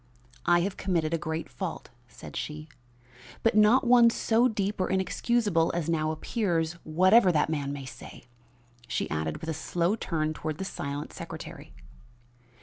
"I have committed a great fault," said she, "but one not so deep or inexcusable as now appears, whatever that man may say," she added with a slow turn toward the silent secretary.